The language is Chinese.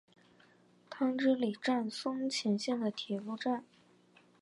汤之里站松前线的铁路站。